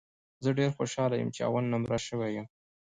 زه ډېر خوشاله یم ، چې اول نمره سوی یم